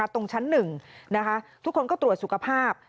ตรงชั้น๑ทุกคนก็ตรวจสุขภาพ